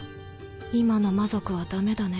今の魔族はダメだね